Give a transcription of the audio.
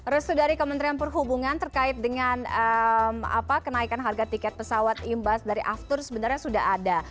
resu dari kementerian perhubungan terkait dengan kenaikan harga tiket pesawat imbas dari aftur sebenarnya sudah ada